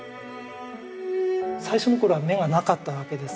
最初の頃は眼がなかったわけです。